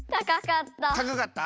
たかかった。